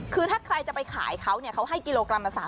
คือถ้าใครจะไปขายเขาเขาให้กิโลกรัมละ๓๐๐